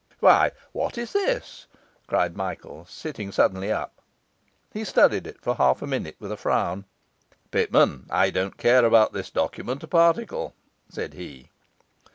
'Why, what is this?' cried Michael, sitting suddenly up. He studied it for half a minute with a frown. 'Pitman, I don't care about this document a particle,' said he.